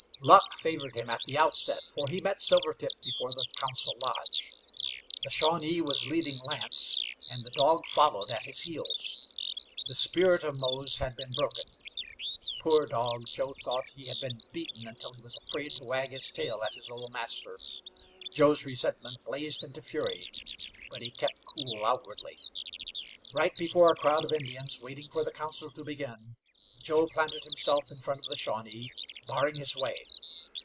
Luck favored him at the outset, for he met Silvertip before the council lodge. The Shawnee was leading Lance, and the dog followed at his heels. The spirit of Mose had been broken. Poor dog, Joe thought, he had been beaten until he was afraid to wag his tail at his old master. Joe's resentment blazed into fury, but he kept cool outwardly. Right before a crowd of Indians waiting for the council to begin, Joe planted himself in front of the Shawnee, barring his way.